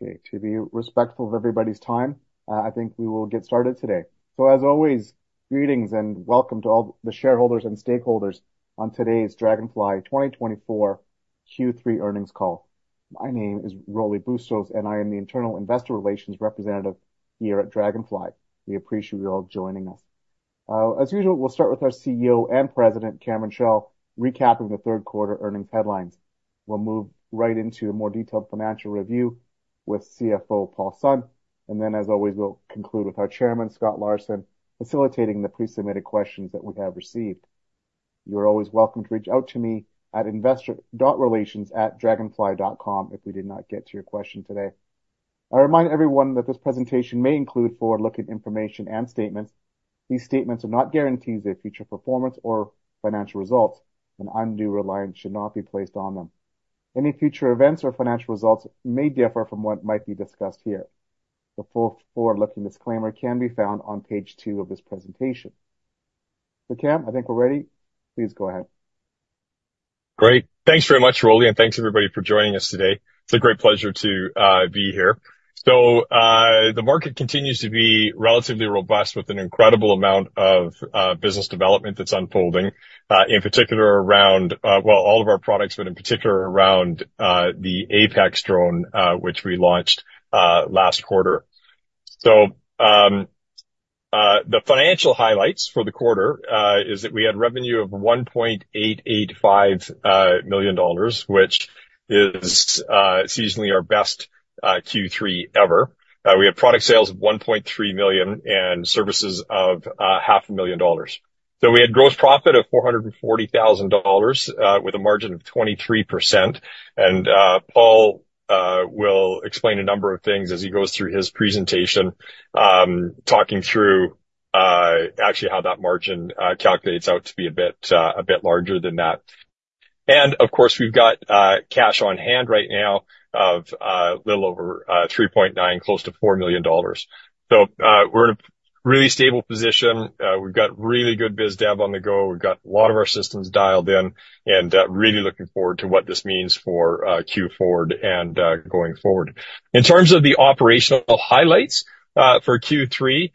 Okay, to be respectful of everybody's time, I think we will get started today, so as always, greetings and welcome to all the shareholders and stakeholders on today's Draganfly 2024 Q3 earnings call. My name is Rolly Bustos, and I am the Internal Investor Relations Representative here at Draganfly. We appreciate you all joining us. As usual, we'll start with our CEO and President, Cameron Chell, recapping the third-quarter earnings headlines. We'll move right into a more detailed financial review with CFO Paul Sun, and then, as always, we'll conclude with our Chairman, Scott Larson, facilitating the pre-submitted questions that we have received. You are always welcome to reach out to me at investor.relations@draganfly.com if we did not get to your question today. I remind everyone that this presentation may include forward-looking information and statements. These statements are not guarantees of future performance or financial results, and undue reliance should not be placed on them. Any future events or financial results may differ from what might be discussed here. The full forward-looking disclaimer can be found on page two of this presentation. So Cam, I think we're ready. Please go ahead. Great. Thanks very much, Rolly, and thanks everybody for joining us today. It's a great pleasure to be here. So the market continues to be relatively robust with an incredible amount of business development that's unfolding, in particular around, well, all of our products, but in particular around the APEX drone, which we launched last quarter. So the financial highlights for the quarter are that we had revenue of 1.885 million dollars, which is seasonally our best Q3 ever. We had product sales of 1.3 million and services of 500,000 dollars. So we had gross profit of 440,000 dollars with a margin of 23%. And Paul will explain a number of things as he goes through his presentation, talking through actually how that margin calculates out to be a bit larger than that. Of course, we've got cash on hand right now of a little over 3.9 million, close to 4 million dollars. We're in a really stable position. We've got really good biz dev on the go. We've got a lot of our systems dialed in and really looking forward to what this means for Q4 and going forward. In terms of the operational highlights for Q3,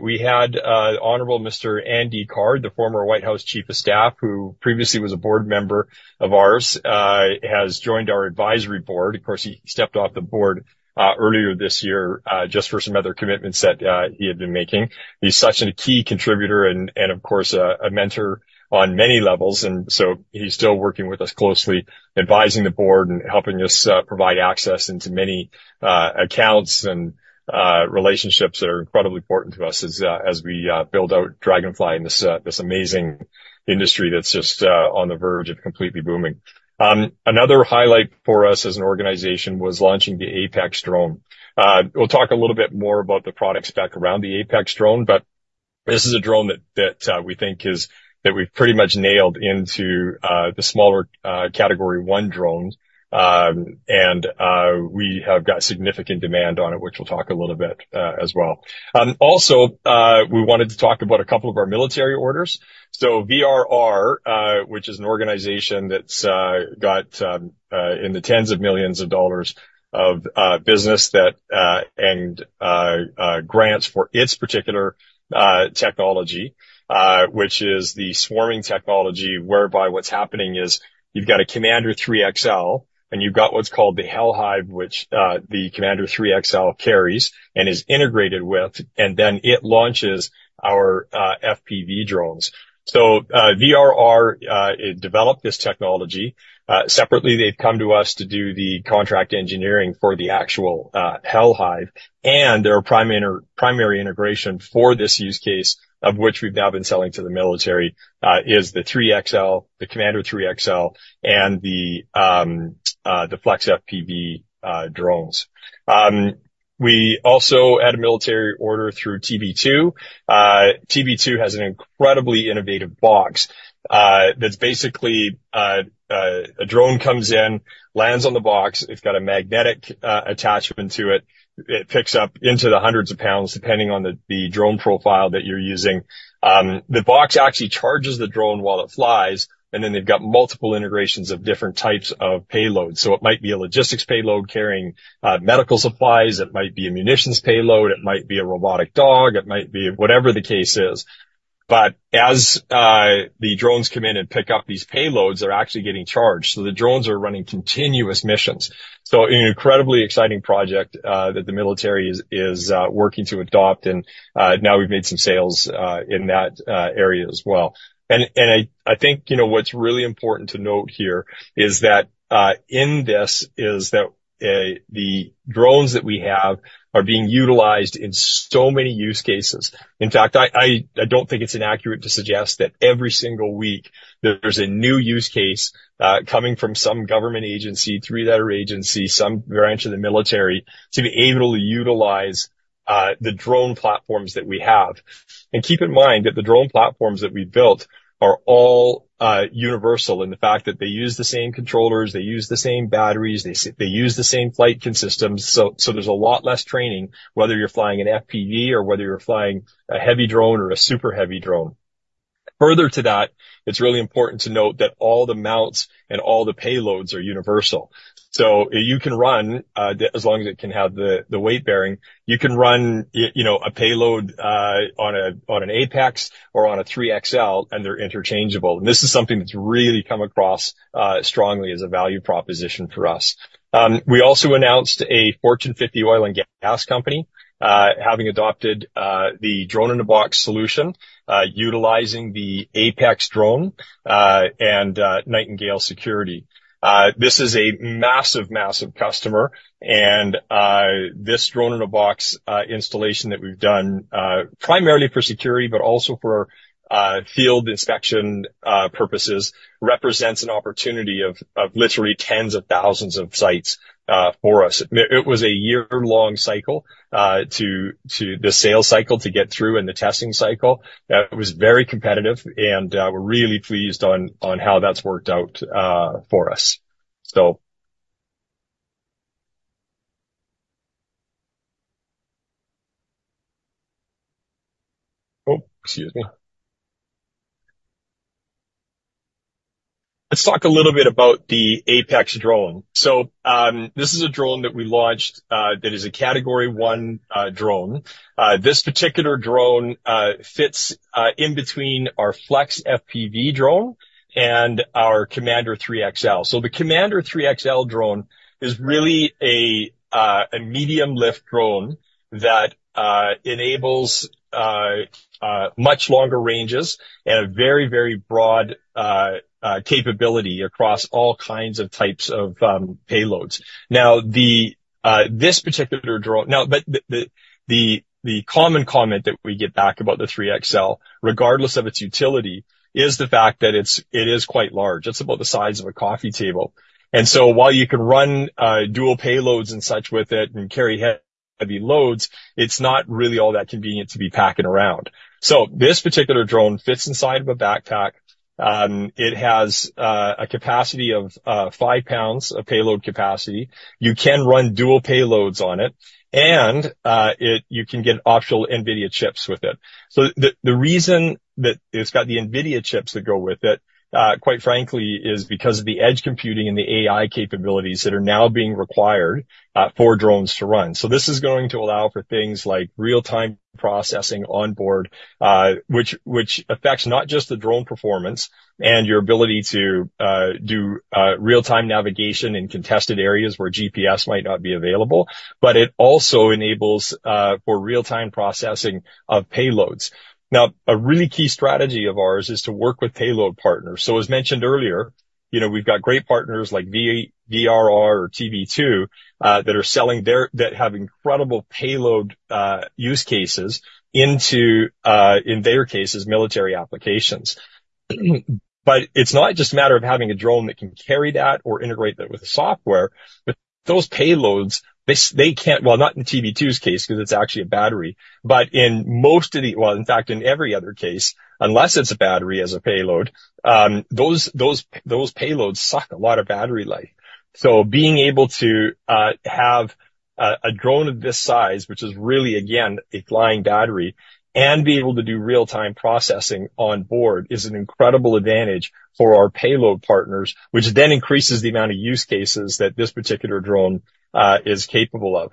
we had the Honorable Mr. Andy Card, the former White House Chief of Staff, who previously was a board member of ours, has joined our advisory board. Of course, he stepped off the board earlier this year just for some other commitments that he had been making. He's such a key contributor and, of course, a mentor on many levels. So he's still working with us closely, advising the board and helping us provide access into many accounts and relationships that are incredibly important to us as we build out Draganfly in this amazing industry that's just on the verge of completely booming. Another highlight for us as an organization was launching the APEX drone. We'll talk a little bit more about the products back around the APEX drone, but this is a drone that we think we've pretty much nailed into the smaller Category 1 drones. We have got significant demand on it, which we'll talk a little bit as well. Also, we wanted to talk about a couple of our military orders. VRR, which is an organization that's got in the tens of millions of dollars of business and grants for its particular technology, which is the swarming technology, whereby what's happening is you've got a Commander 3XL and you've got what's called the HellHive, which the Commander 3XL carries and is integrated with, and then it launches our FPV drones. VRR developed this technology. Separately, they've come to us to do the contract engineering for the actual HellHive, and their primary integration for this use case, of which we've now been selling to the military, is the 3XL, the Commander 3XL, and the Flex FPV drones. We also had a military order through TB2. TB2 has an incredibly innovative box that's basically a drone comes in, lands on the box. It's got a magnetic attachment to it. It picks up into the hundreds of pounds depending on the drone profile that you're using. The box actually charges the drone while it flies, and then they've got multiple integrations of different types of payloads, so it might be a logistics payload carrying medical supplies, it might be a munitions payload, it might be a robotic dog, it might be whatever the case is, but as the drones come in and pick up these payloads, they're actually getting charged, so the drones are running continuous missions, so an incredibly exciting project that the military is working to adopt, and now we've made some sales in that area as well. And I think what's really important to note here is that the drones that we have are being utilized in so many use cases. In fact, I don't think it's inaccurate to suggest that every single week there's a new use case coming from some government agency, three-letter agency, some branch of the military to be able to utilize the drone platforms that we have. And keep in mind that the drone platforms that we've built are all universal in the fact that they use the same controllers, they use the same batteries, they use the same flight systems. So there's a lot less training, whether you're flying an FPV or whether you're flying a heavy drone or a super heavy drone. Further to that, it's really important to note that all the mounts and all the payloads are universal. So you can run, as long as it can have the weight bearing, you can run a payload on an APEX or on a 3XL, and they're interchangeable. And this is something that's really come across strongly as a value proposition for us. We also announced a Fortune 50 oil and gas company having adopted the drone-in-a-box solution, utilizing the APEX drone and Nightingale Security. This is a massive, massive customer, and this drone-in-a-box installation that we've done primarily for security, but also for field inspection purposes, represents an opportunity of literally tens of thousands of sites for us. It was a year-long cycle to the sales cycle to get through and the testing cycle. It was very competitive, and we're really pleased on how that's worked out for us. Oh, excuse me. Let's talk a little bit about the APEX drone. This is a drone that we launched that is a Category 1 drone. This particular drone fits in between our Flex FPV drone and our Commander 3XL. The Commander 3XL drone is really a medium lift drone that enables much longer ranges and a very, very broad capability across all kinds of types of payloads. Now, this particular drone, but the common comment that we get back about the 3XL, regardless of its utility, is the fact that it is quite large. It's about the size of a coffee table. While you can run dual payloads and such with it and carry heavy loads, it's not really all that convenient to be packing around. This particular drone fits inside of a backpack. It has a capacity of five pounds of payload capacity. You can run dual payloads on it, and you can get optional NVIDIA chips with it. So the reason that it's got the NVIDIA chips that go with it, quite frankly, is because of the edge computing and the AI capabilities that are now being required for drones to run. So this is going to allow for things like real-time processing on board, which affects not just the drone performance and your ability to do real-time navigation in contested areas where GPS might not be available, but it also enables for real-time processing of payloads. Now, a really key strategy of ours is to work with payload partners. So as mentioned earlier, we've got great partners like VRR or TB2 that have incredible payload use cases into, in their cases, military applications. But it's not just a matter of having a drone that can carry that or integrate that with software, but those payloads, they can't, well, not in TB2's case because it's actually a battery, but in most of the, well, in fact, in every other case, unless it's a battery as a payload, those payloads suck a lot of battery life. So being able to have a drone of this size, which is really, again, a flying battery, and be able to do real-time processing on board is an incredible advantage for our payload partners, which then increases the amount of use cases that this particular drone is capable of.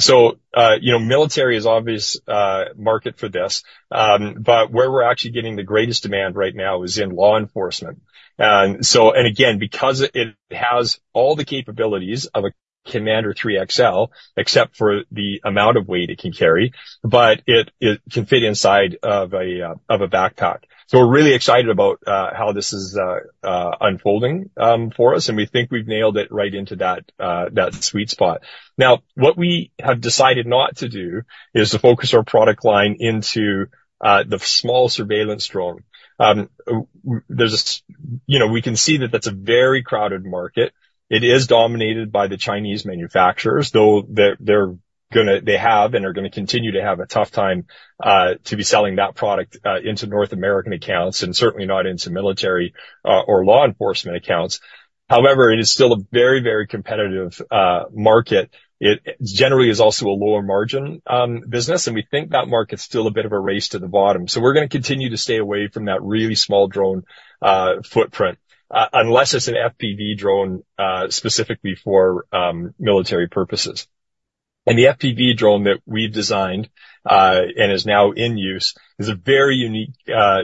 So military is obvious market for this, but where we're actually getting the greatest demand right now is in law enforcement. And again, because it has all the capabilities of a Commander 3XL, except for the amount of weight it can carry, but it can fit inside of a backpack. So we're really excited about how this is unfolding for us, and we think we've nailed it right into that sweet spot. Now, what we have decided not to do is to focus our product line into the small surveillance drone. There's, you know, we can see that that's a very crowded market. It is dominated by the Chinese manufacturers, though they're going to, they have and are going to continue to have a tough time to be selling that product into North American accounts and certainly not into military or law enforcement accounts. However, it is still a very, very competitive market. It generally is also a lower margin business, and we think that market's still a bit of a race to the bottom. So we're going to continue to stay away from that really small drone footprint unless it's an FPV drone specifically for military purposes. And the FPV drone that we've designed and is now in use is a very unique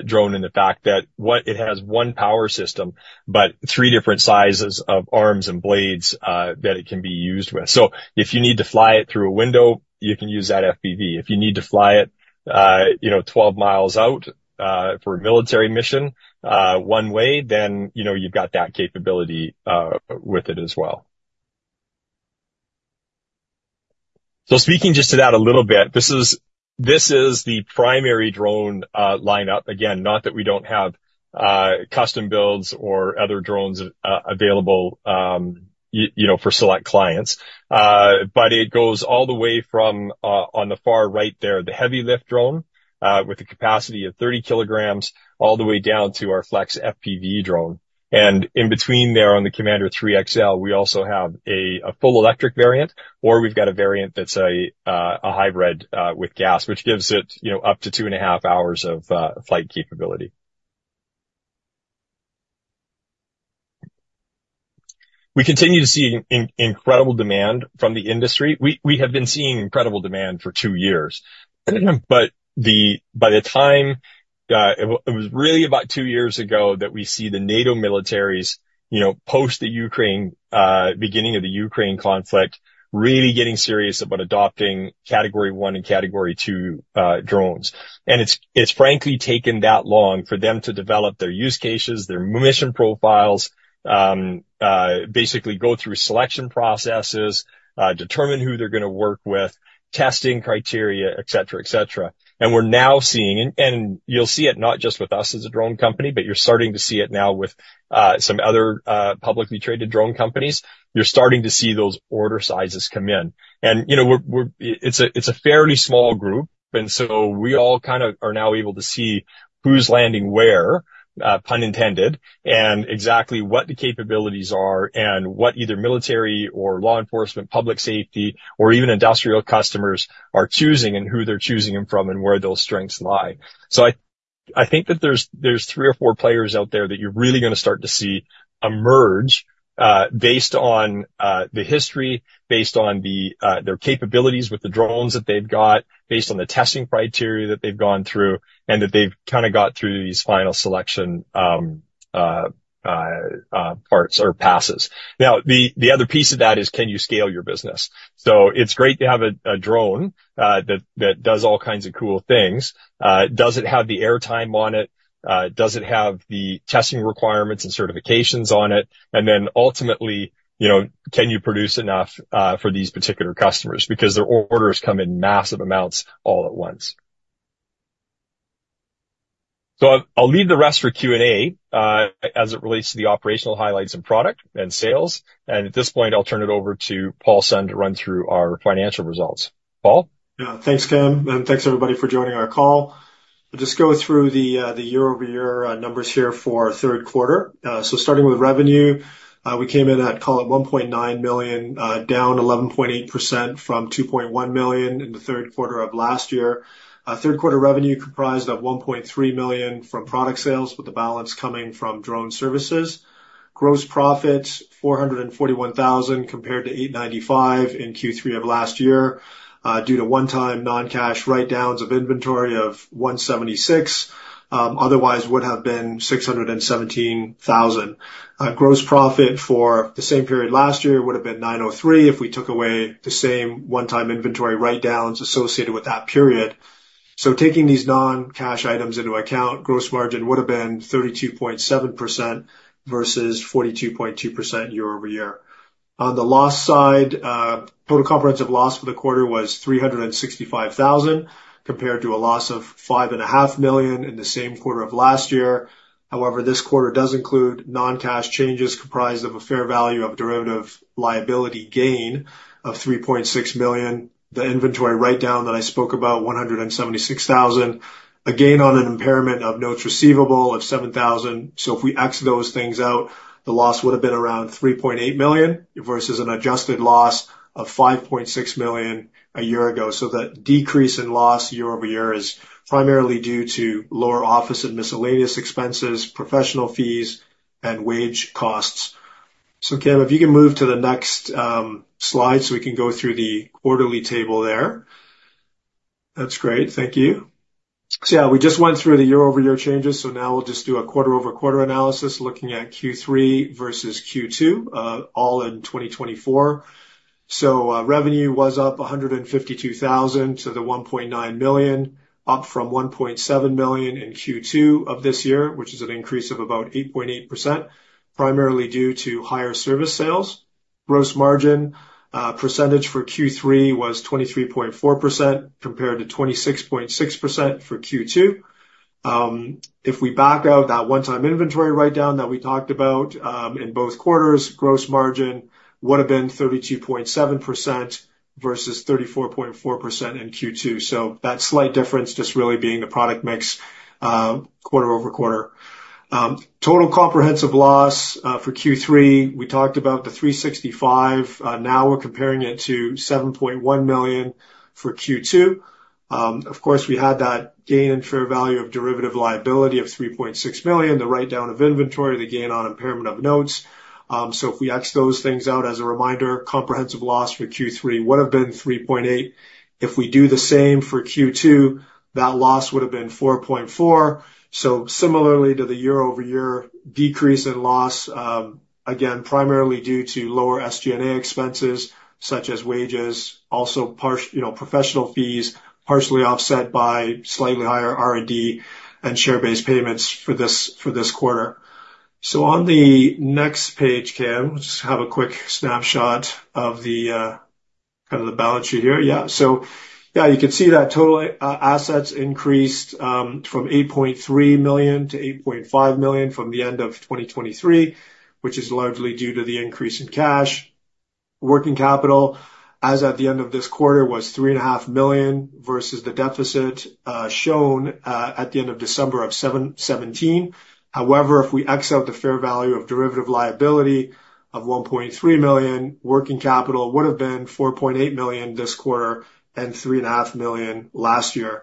drone in the fact that what it has one power system, but three different sizes of arms and blades that it can be used with. So if you need to fly it through a window, you can use that FPV. If you need to fly it, you know, 12 miles out for a military mission one way, then you've got that capability with it as well. So speaking just to that a little bit, this is the primary drone lineup. Again, not that we don't have custom builds or other drones available for select clients, but it goes all the way from on the far right there, the heavy lift drone with a capacity of 30 kilograms all the way down to our Flex FPV drone. And in between there on the Commander 3XL, we also have a full electric variant, or we've got a variant that's a hybrid with gas, which gives it up to two and a half hours of flight capability. We continue to see incredible demand from the industry. We have been seeing incredible demand for two years, but by the time, it was really about two years ago that we see the NATO militaries post the Ukraine, beginning of the Ukraine conflict, really getting serious about adopting category one and category two drones. It's frankly taken that long for them to develop their use cases, their mission profiles, basically go through selection processes, determine who they're going to work with, testing criteria, et cetera, et cetera. We're now seeing, and you'll see it not just with us as a drone company, but you're starting to see it now with some other publicly traded drone companies. You're starting to see those order sizes come in. It's a fairly small group, and so we all kind of are now able to see who's landing where, pun intended, and exactly what the capabilities are and what either military or law enforcement, public safety, or even industrial customers are choosing and who they're choosing them from and where those strengths lie. So I think that there's three or four players out there that you're really going to start to see emerge based on the history, based on their capabilities with the drones that they've got, based on the testing criteria that they've gone through, and that they've kind of got through these final selection parts or passes. Now, the other piece of that is can you scale your business? So it's great to have a drone that does all kinds of cool things. Does it have the airtime on it? Does it have the testing requirements and certifications on it? And then ultimately, can you produce enough for these particular customers? Because their orders come in massive amounts all at once. So I'll leave the rest for Q&A as it relates to the operational highlights and product and sales. And at this point, I'll turn it over to Paul Sun to run through our financial results. Paul? Yeah, thanks, Cam, and thanks everybody for joining our call. I'll just go through the year-over-year numbers here for third quarter, so starting with revenue, we came in at, call it 1.9 million, down 11.8% from 2.1 million in the third quarter of last year. Third quarter revenue comprised of 1.3 million from product sales, with the balance coming from drone services. Gross profits, 441,000, compared to 895,000 in Q3 of last year due to one-time non-cash write-downs of inventory of 176,000. Otherwise would have been 617,000. Gross profit for the same period last year would have been 903,000 if we took away the same one-time inventory write-downs associated with that period. So taking these non-cash items into account, gross margin would have been 32.7% versus 42.2% year-over-year. On the loss side, total comprehensive loss for the quarter was 365,000 compared to a loss of 5.5 million in the same quarter of last year. However, this quarter does include non-cash changes comprised of a fair value of derivative liability gain of 3.6 million, the inventory write-down that I spoke about, 176,000, a gain on an impairment of notes receivable of 7,000. So if we ex those things out, the loss would have been around 3.8 million versus an adjusted loss of 5.6 million a year ago. So that decrease in loss year-over-year is primarily due to lower office and miscellaneous expenses, professional fees, and wage costs. So, Cam, if you can move to the next slide so we can go through the quarterly table there. That's great. Thank you. So yeah, we just went through the year-over-year changes, so now we'll just do a quarter-over-quarter analysis looking at Q3 versus Q2, all in 2024. So revenue was up 152,000 to 1.9 million, up from 1.7 million in Q2 of this year, which is an increase of about 8.8%, primarily due to higher service sales. Gross margin percentage for Q3 was 23.4% compared to 26.6% for Q2. If we back out that one-time inventory write-down that we talked about in both quarters, gross margin would have been 32.7% versus 34.4% in Q2. So that slight difference just really being the product mix quarte-over-quarter. Total comprehensive loss for Q3, we talked about the 365,000. Now, we're comparing it to 7.1 million for Q2. Of course, we had that gain in fair value of derivative liability of 3.6 million, the write-down of inventory, the gain on impairment of notes. So if we X those things out, as a reminder, comprehensive loss for Q3 would have been 3.8 million. If we do the same for Q2, that loss would have been 4.4 million. So similarly to the year-over-year decrease in loss, again, primarily due to lower SG&A expenses such as wages, also professional fees partially offset by slightly higher R&D and share-based payments for this quarter. So on the next page, Cam, let's just have a quick snapshot of the kind of the balance sheet here. Yeah. So yeah, you can see that total assets increased from 8.3 million to 8.5 million from the end of 2023, which is largely due to the increase in cash. Working capital, as at the end of this quarter, was 3.5 million versus the deficit shown at the end of December of 2017. However, if we X out the fair value of derivative liability of 1.3 million, working capital would have been 4.8 million this quarter and 3.5 million last year.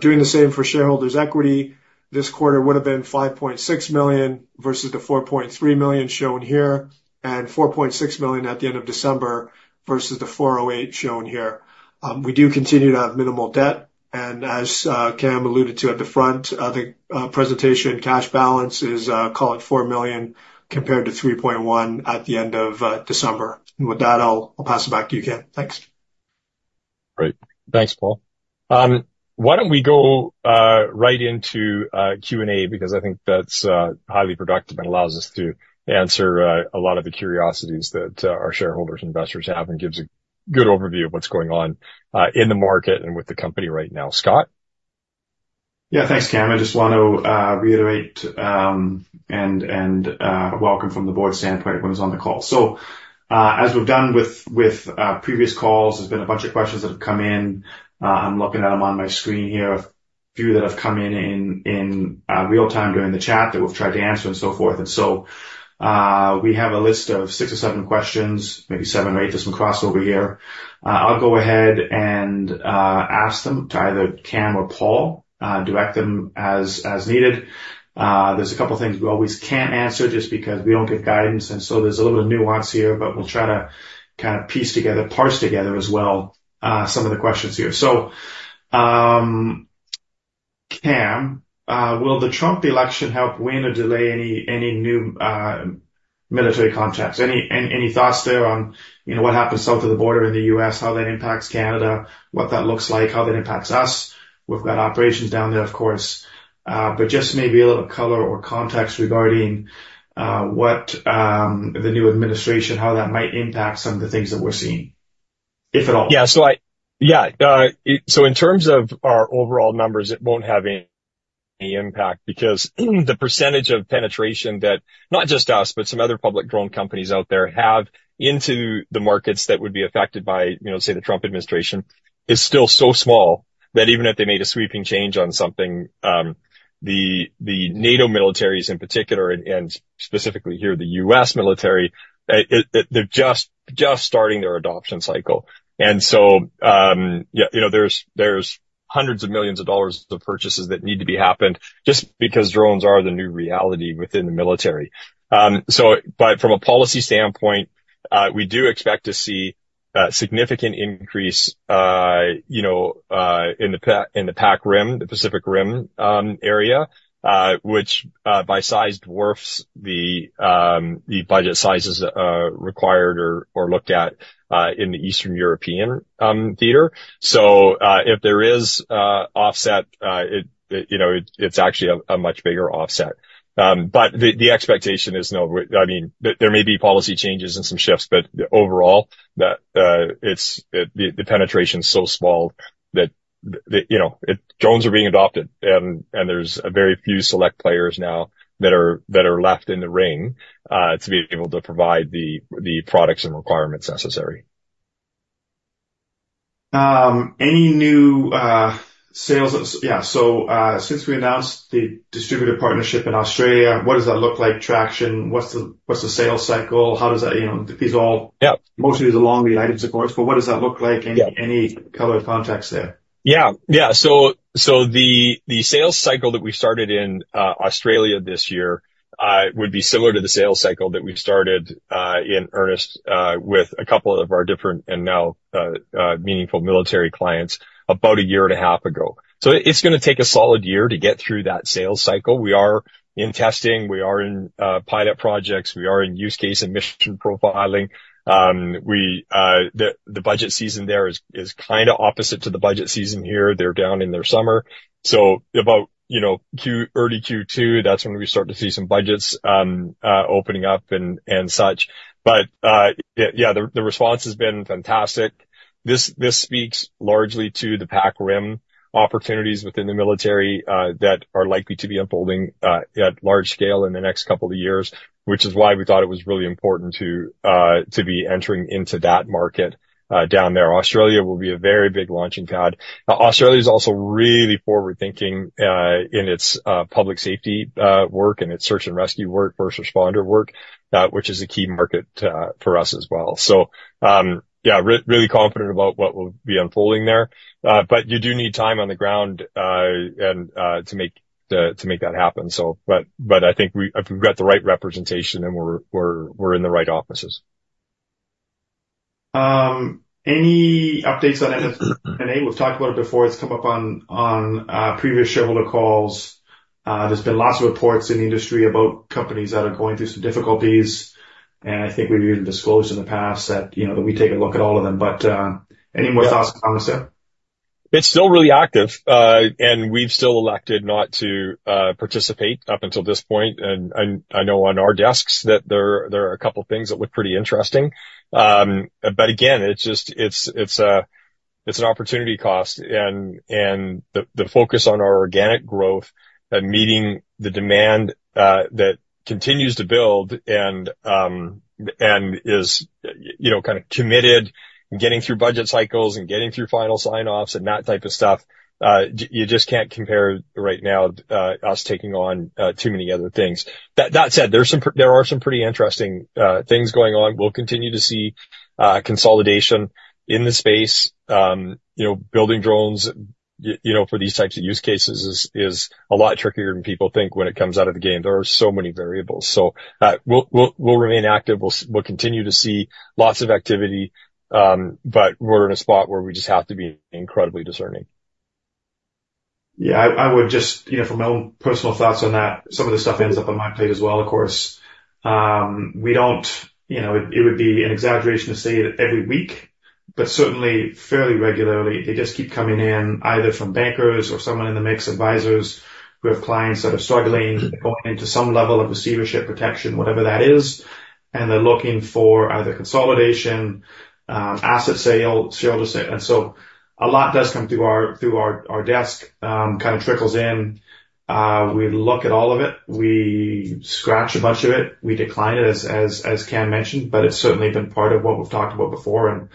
Doing the same for shareholders' equity, this quarter would have been 5.6 million versus the 4.3 million shown here and 4.6 million at the end of December versus the 4.08 million shown here. We do continue to have minimal debt, and as Cam alluded to at the front of the presentation, cash balance is, call it 4 million compared to 3.1 million at the end of December, and with that, I'll pass it back to you, Cam. Thanks. Great. Thanks, Paul. Why don't we go right into Q&A because I think that's highly productive and allows us to answer a lot of the curiosities that our shareholders and investors have and gives a good overview of what's going on in the market and with the company right now. Scott? Yeah, thanks, Cam. I just want to reiterate and welcome from the board standpoint everyone who's on the call. So, as we've done with previous calls, there's been a bunch of questions that have come in. I'm looking at them on my screen here, a few that have come in in real time during the chat that we've tried to answer and so forth. And so we have a list of six or seven questions, maybe seven or eight that's been crossed over here. I'll go ahead and ask them to either Cam or Paul, direct them as needed. There's a couple of things we always can't answer just because we don't get guidance, and so there's a little bit of nuance here, but we'll try to kind of piece together, parse together as well, some of the questions here, so Cam, will the Trump election help win or delay any new military contracts? Any thoughts there on what happens south of the border in the U.S., how that impacts Canada, what that looks like, how that impacts us? We've got operations down there, of course, but just maybe a little color or context regarding what the new administration, how that might impact some of the things that we're seeing, if at all. Yeah. In terms of our overall numbers, it won't have any impact because the percentage of penetration that not just us, but some other public drone companies out there have into the markets that would be affected by, say, the Trump administration is still so small that even if they made a sweeping change on something, the NATO militaries in particular, and specifically here, the U.S. military, they're just starting their adoption cycle. And so there's hundreds of millions of dollars of purchases that need to be happened just because drones are the new reality within the military. But from a policy standpoint, we do expect to see a significant increase in the Pac Rim, the Pacific Rim area, which by size dwarfs the budget sizes required or looked at in the Eastern European theater. So if there is offset, it's actually a much bigger offset. But the expectation is, I mean, there may be policy changes and some shifts, but overall, the penetration is so small that drones are being adopted, and there's very few select players now that are left in the ring to be able to provide the products and requirements necessary. Any new sales? Yeah. So since we announced the distributor partnership in Australia, what does that look like? Traction? What's the sales cycle? How does that? These are all mostly along those lines, of course, but what does that look like? Any color or context there? Yeah. Yeah. So the sales cycle that we started in Australia this year would be similar to the sales cycle that we started in earnest with a couple of our different and now meaningful military clients about a year and a half ago. It's going to take a solid year to get through that sales cycle. We are in testing. We are in pilot projects. We are in use case and mission profiling. The budget season there is kind of opposite to the budget season here. They're down in their summer. So, about early Q2, that's when we start to see some budgets opening up and such. But yeah, the response has been fantastic. This speaks largely to the Pac Rim opportunities within the military that are likely to be unfolding at large scale in the next couple of years, which is why we thought it was really important to be entering into that market down there. Australia will be a very big launching pad. Australia is also really forward-thinking in its public safety work and its search and rescue work, first responder work, which is a key market for us as well. So yeah, really confident about what will be unfolding there. But you do need time on the ground to make that happen. But I think we've got the right representation and we're in the right offices. Any updates on M&A? We've talked about it before. It's come up on previous shareholder calls. There's been lots of reports in the industry about companies that are going through some difficulties. And I think we've even disclosed in the past that we take a look at all of them. But any more thoughts on this there? It's still really active. And we've still elected not to participate up until this point. I know on our desks that there are a couple of things that look pretty interesting. Again, it's an opportunity cost. The focus on our organic growth and meeting the demand that continues to build and is kind of committed and getting through budget cycles and getting through final sign-offs and that type of stuff, you just can't compare right now us taking on too many other things. That said, there are some pretty interesting things going on. We'll continue to see consolidation in the space. Building drones for these types of use cases is a lot trickier than people think when it comes out of the game. There are so many variables. We'll remain active. We'll continue to see lots of activity. We're in a spot where we just have to be incredibly discerning. Yeah. I would just, from my own personal thoughts on that, some of this stuff ends up on my plate as well, of course. It would be an exaggeration to say it every week, but certainly fairly regularly. They just keep coming in either from bankers or someone in the mix, advisors who have clients that are struggling, going into some level of receivership protection, whatever that is, and they're looking for either consolidation, asset sales, shareholder sales, and so a lot does come through our desk, kind of trickles in. We look at all of it. We scratch a bunch of it. We decline it, as Cam mentioned, but it's certainly been part of what we've talked about before, and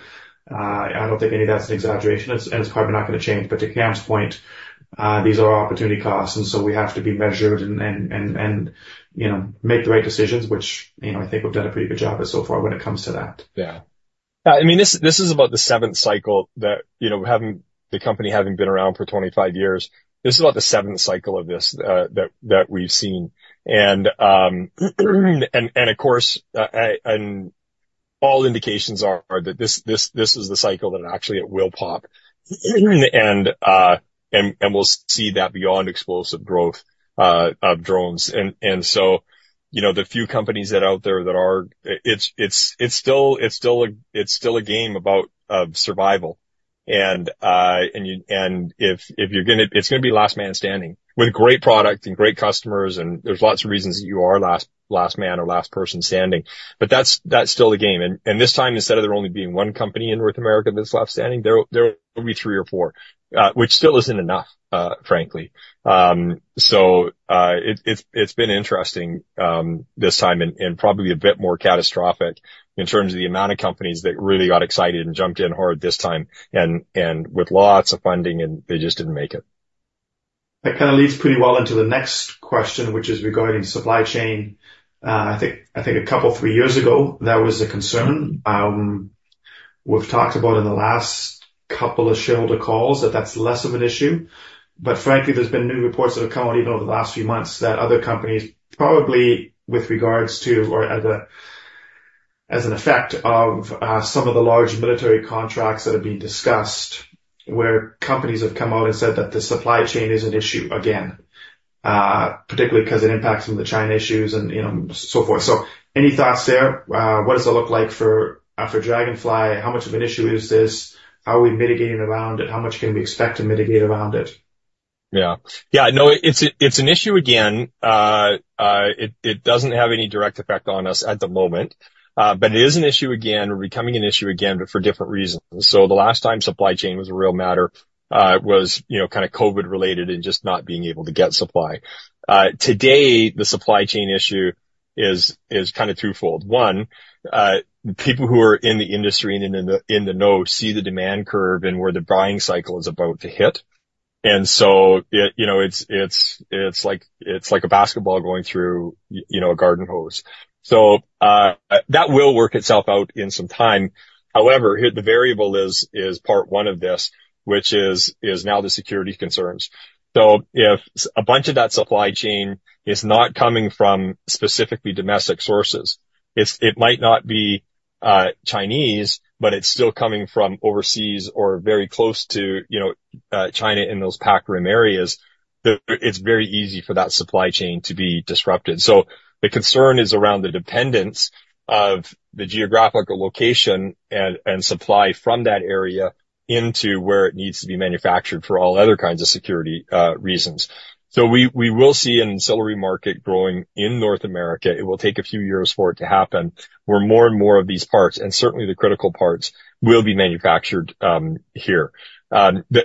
I don't think any of that's an exaggeration, and it's probably not going to change, but to Cam's point, these are opportunity costs. And so we have to be measured and make the right decisions, which I think we've done a pretty good job of so far when it comes to that. Yeah. I mean, this is about the seventh cycle that the company having been around for 25 years. This is about the seventh cycle of this that we've seen. And of course, all indications are that this is the cycle that actually it will pop. And we'll see that beyond explosive growth of drones. And so the few companies that are out there that are, it's still a game about survival. And if you're going to, it's going to be last man standing with great product and great customers. And there's lots of reasons that you are last man or last person standing. But that's still the game. And this time, instead of there only being one company in North America that's left standing, there will be three or four, which still isn't enough, frankly. So it's been interesting this time and probably a bit more catastrophic in terms of the amount of companies that really got excited and jumped in hard this time and with lots of funding, and they just didn't make it. That kind of leads pretty well into the next question, which is regarding supply chain. I think a couple of three years ago, that was a concern. We've talked about in the last couple of shareholder calls that that's less of an issue. But frankly, there have been new reports that have come out even over the last few months that other companies probably with regards to or as an effect of some of the large military contracts that have been discussed where companies have come out and said that the supply chain is an issue again, particularly because it impacts some of the China issues and so forth. So any thoughts there? What does it look like for Draganfly? How much of an issue is this? How are we mitigating around it? How much can we expect to mitigate around it? Yeah. Yeah. No, it's an issue again. It doesn't have any direct effect on us at the moment. But it is an issue again. We're becoming an issue again, but for different reasons. So, the last time supply chain was a real matter was kind of COVID-related and just not being able to get supply. Today, the supply chain issue is kind of twofold. One, people who are in the industry and in the know see the demand curve and where the buying cycle is about to hit. And so it's like a basketball going through a garden hose. So that will work itself out in some time. However, the variable is part one of this, which is now the security concerns. So if a bunch of that supply chain is not coming from specifically domestic sources, it might not be Chinese, but it's still coming from overseas or very close to China in those Pac Rim areas, it's very easy for that supply chain to be disrupted. The concern is around the dependence of the geographical location and supply from that area into where it needs to be manufactured for all other kinds of security reasons. We will see an accelerated market growing in North America. It will take a few years for it to happen where more and more of these parts, and certainly the critical parts, will be manufactured here.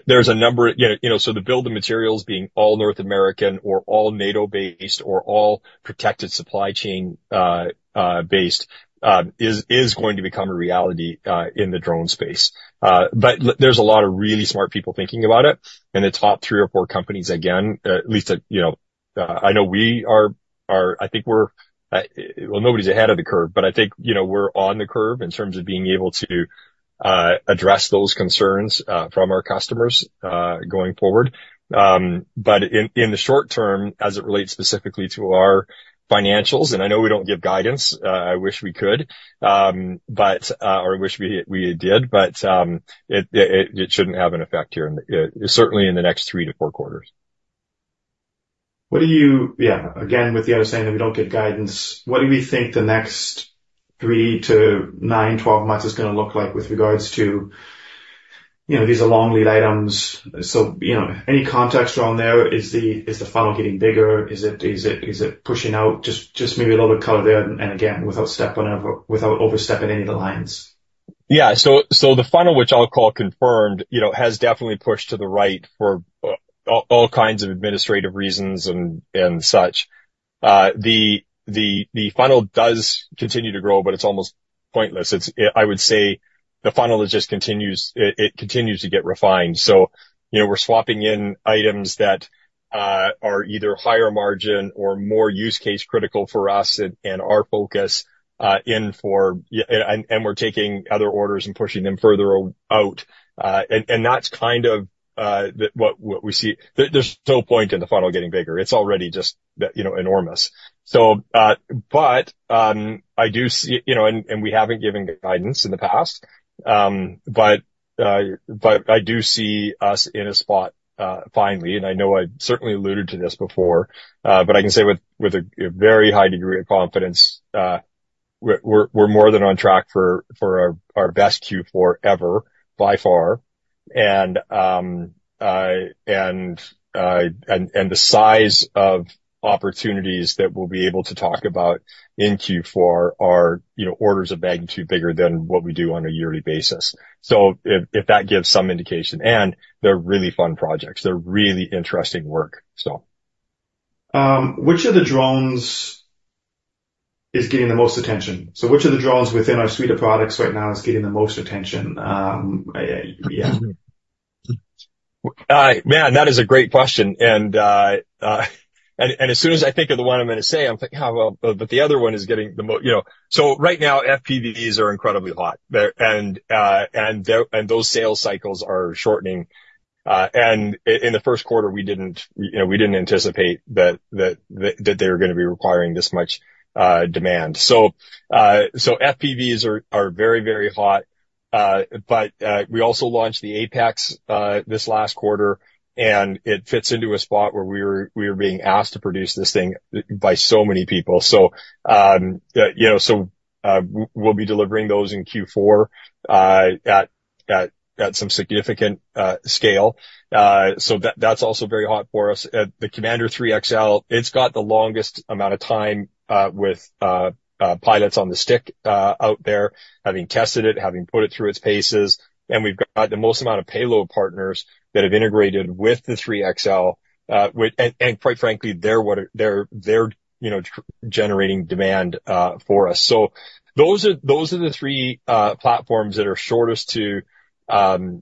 There's a number of so the build of materials being all North American or all NATO-based or all protected supply chain-based is going to become a reality in the drone space. There's a lot of really smart people thinking about it. And the top three or four companies, again, at least I know we are. I think we're well. Nobody's ahead of the curve, but I think we're on the curve in terms of being able to address those concerns from our customers going forward. But in the short term, as it relates specifically to our financials, and I know we don't give guidance. I wish we could, or I wish we did, but it shouldn't have an effect here, certainly in the next three to four quarters. What do you yeah, again, with the understanding that we don't get guidance. What do we think the next three to nine, twelve months is going to look like with regards to these long lead items? So any context around there? Is the funnel getting bigger? Is it pushing out? Just maybe a little bit of color there and again, without overstepping any of the lines. Yeah. So the funnel, which I'll call confirmed, has definitely pushed to the right for all kinds of administrative reasons and such. The funnel does continue to grow, but it's almost pointless. I would say the funnel just continues to get refined. So we're swapping in items that are either higher margin or more use case critical for us and our focus in for and we're taking other orders and pushing them further out. And that's kind of what we see. There's no point in the funnel getting bigger. It's already just enormous. But I do see and we haven't given guidance in the past. But I do see us in a spot finally. And I know I certainly alluded to this before, but I can say with a very high degree of confidence, we're more than on track for our best Q4 ever by far. And the size of opportunities that we'll be able to talk about in Q4 are orders of magnitude bigger than what we do on a yearly basis. So if that gives some indication. And they're really fun projects. They're really interesting work, so. Which of the drones is getting the most attention? So which of the drones within our suite of products right now is getting the most attention? Yeah. Man, that is a great question. And as soon as I think of the one I'm going to say, I'm like, yeah, but the other one is getting the most. So right now, FPVs are incredibly hot. And those sales cycles are shortening. And in the first quarter, we didn't anticipate that they were going to be requiring this much demand. So FPVs are very, very hot. But we also launched the APEX this last quarter. And it fits into a spot where we were being asked to produce this thing by so many people. So we'll be delivering those in Q4 at some significant scale. So that's also very hot for us. The Commander 3XL, it's got the longest amount of time with pilots on the stick out there, having tested it, having put it through its paces. And we've got the most amount of payload partners that have integrated with the 3XL. And quite frankly, they're generating demand for us. So those are the three platforms that are shortest to having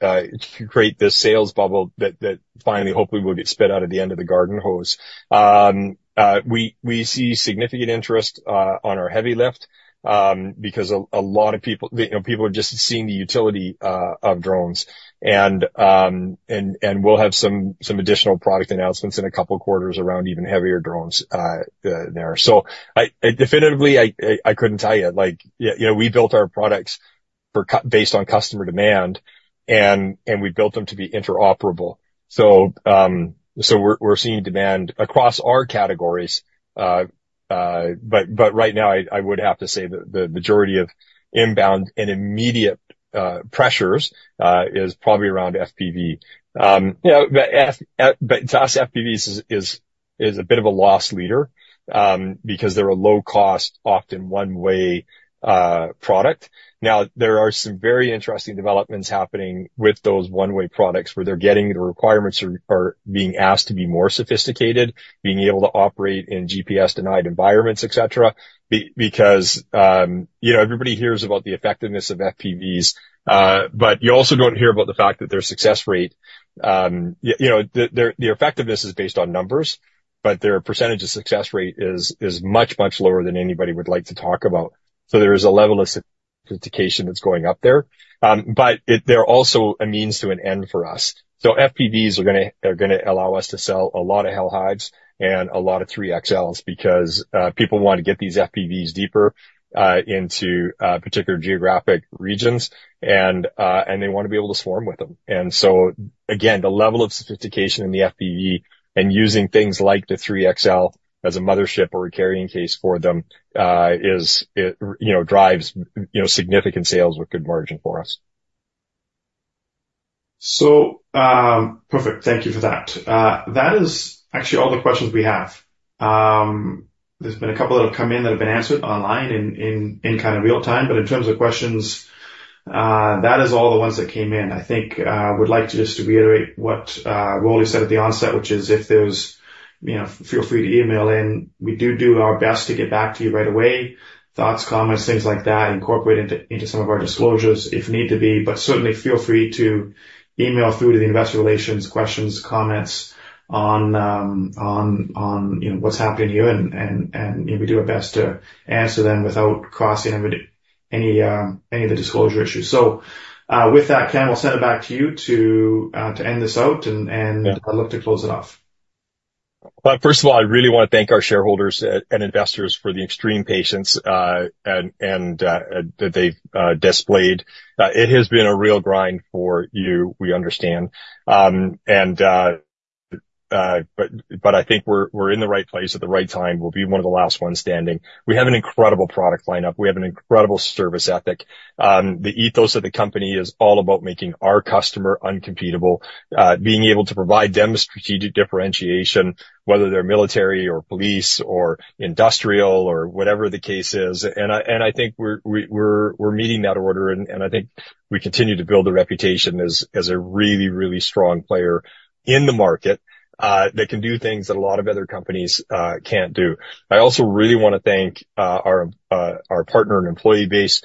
to create this sales bubble that finally, hopefully, will get spit out at the end of the garden hose. We see significant interest on our heavy lift because a lot of people, people are just seeing the utility of drones, and we'll have some additional product announcements in a couple of quarters around even heavier drones there, so definitely, I couldn't tell you. We built our products based on customer demand, and we built them to be interoperable, so we're seeing demand across our categories, but right now, I would have to say that the majority of inbound and immediate pressures is probably around FPV, but to us, FPVs is a bit of a loss leader because they're a low-cost, often one-way product. Now, there are some very interesting developments happening with those one-way products where they're getting the requirements are being asked to be more sophisticated, being able to operate in GPS-denied environments, etc., because everybody hears about the effectiveness of FPVs. But you also don't hear about the fact that their success rate. The effectiveness is based on numbers, but their percentage of success rate is much, much lower than anybody would like to talk about. So there is a level of sophistication that's going up there. But they're also a means to an end for us. So FPVs are going to allow us to sell a lot of Hell Hives and a lot of 3XLs because people want to get these FPVs deeper into particular geographic regions. And they want to be able to swarm with them. And so, again, the level of sophistication in the FPV and using things like the 3XL as a mothership or a carrying case for them drives significant sales with good margin for us. So perfect. Thank you for that. That is actually all the questions we have. There's been a couple that have come in that have been answered online in kind of real time. But in terms of questions, that is all the ones that came in. I think I would like just to reiterate what Rolly said at the onset, which is if there's, feel free to email in. We do do our best to get back to you right away. Thoughts, comments, things like that, incorporate into some of our disclosures if need to be. But certainly, feel free to email through to the investor relations, questions, comments on what's happening here. And we do our best to answer them without crossing any of the disclosure issues. So with that, Cam, I'll send it back to you to end this out. And I'll look to close it off. First of all, I really want to thank our shareholders and investors for the extreme patience that they've displayed. It has been a real grind for you. We understand, but I think we're in the right place at the right time. We'll be one of the last ones standing. We have an incredible product lineup. We have an incredible service ethic. The ethos of the company is all about making our customer incomparable, being able to provide them a strategic differentiation, whether they're military or police or industrial or whatever the case is, and I think we're meeting that order, and I think we continue to build a reputation as a really, really strong player in the market that can do things that a lot of other companies can't do. I also really want to thank our partner and employee base.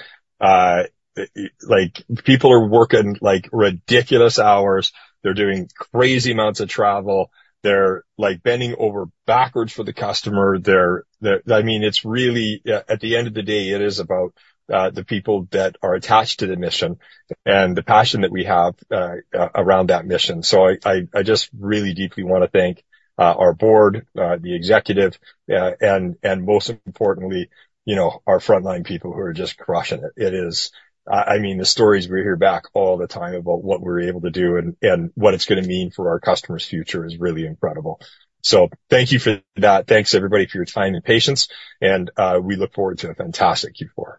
People are working ridiculous hours. They're doing crazy amounts of travel. They're bending over backwards for the customer. I mean, it's really, at the end of the day, it is about the people that are attached to the mission and the passion that we have around that mission. So I just really deeply want to thank our board, the executive, and most importantly, our frontline people who are just crushing it. I mean, the stories we hear back all the time about what we're able to do and what it's going to mean for our customer's future is really incredible. So thank you for that. Thanks, everybody, for your time and patience, and we look forward to a fantastic Q4.